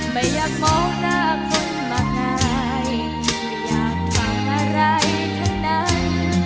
ไม่อยากมองหน้าคนมาหายไม่อยากฟังอะไรทั้งนั้น